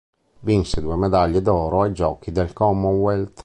Vinse due medaglie d'oro ai giochi del Commonwealth.